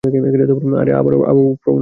আরে, আবারও আবেগপ্রবণ হয়ে গেছে!